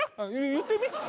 言ってみ。